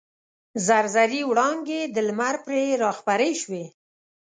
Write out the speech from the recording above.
زر زري وړانګې د لمر پرې راخپرې شوې.